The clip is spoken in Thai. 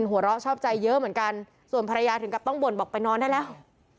หัวเราะชอบใจเยอะเหมือนกันส่วนภรรยาถึงกับต้องบ่นบอกไปนอนได้แล้ว